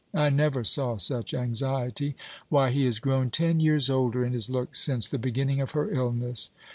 I never saw such anxiety. Why, he has grown ten years older in his looks since the beginning of her illness.